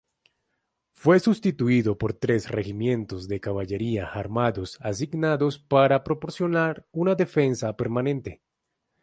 Fue sustituido por tres regimientos de caballería armados asignados para proporcionar una defensa permanente.